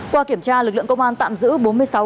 qua kiểm tra lực lượng công an tạm giữ